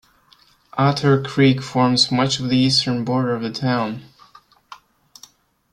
Otter Creek forms much of the eastern border of the town.